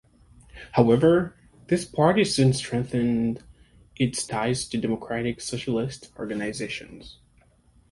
However, this party soon strengthened its ties to democratic-socialist organisations.